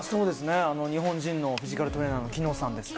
日本人のフィジカルトレーナーの喜熨斗さん。